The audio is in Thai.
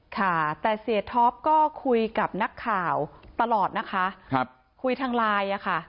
ค่ะแต่เสียท็อปก็คุยกับนักข่าวตลอดนะคะคุยทางไลน์อะค่ะ